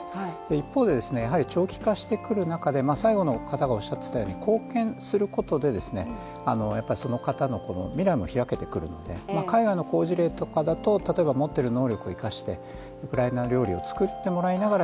一方で長期化してくる中で最後の方がおっしゃっていたように貢献することでその方の未来も開けてくるので、海外の好事例とかだと、持っている能力を生かしてウクライナ料理を作ってもらいながら